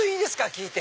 聞いて。